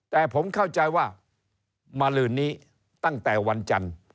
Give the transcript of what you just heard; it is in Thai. แต่ผมเข้าใจว่ามาลืนนี้ตั้งแต่วันจันทร์